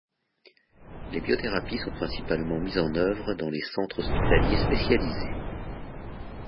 Les biothérapies sont principalement mises en œuvre dans les centres hospitaliers spécialisés.